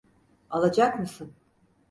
Alacak mısın?